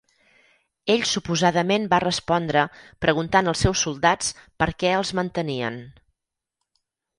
Ell suposadament va respondre preguntant als seus soldats per què els mantenien.